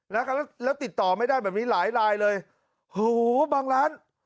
แล้วก็แล้วติดต่อไม่ได้แบบนี้หลายลายเลยโหบางร้าน